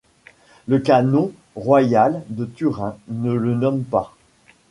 Le Canon royal de Turin ne le nomme pas.